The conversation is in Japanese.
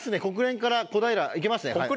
国連から小平行けますね。